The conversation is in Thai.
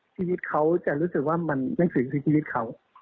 ชีวิตเขาจะรู้สึกว่ามันหนังสือคือชีวิตเขา